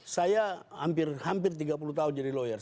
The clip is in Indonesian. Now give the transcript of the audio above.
saya hampir tiga puluh tahun jadi lawyer